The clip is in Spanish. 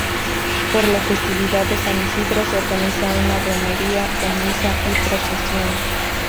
Por la festividad de San Isidro se organiza una romería, con misa y procesión.